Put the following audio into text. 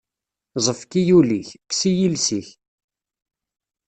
Ẓefk-iyi ul-ik, kkes-iyi iles-ik.